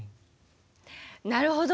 なるほど。